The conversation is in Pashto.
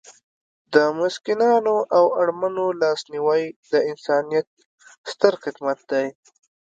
د مسکینانو او اړمنو لاسنیوی د انسانیت ستر خدمت دی.